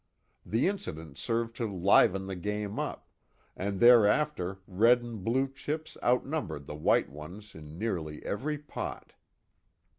The incident served to liven the game up, and thereafter red and blue chips outnumbered the white ones in nearly every pot.